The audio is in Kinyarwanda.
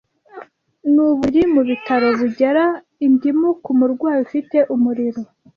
Nuburiri mubitaro bugera indimu kumurwayi ufite umuriro,